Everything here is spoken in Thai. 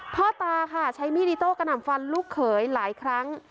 พ่อตาค่ะใช้มีดอิโต้กระหน่ำฟันลูกเขยหลายครั้ง